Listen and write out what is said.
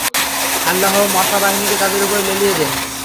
আল্লাহ মশা বাহিনীকে তাদের উপর লেলিয়ে দেন।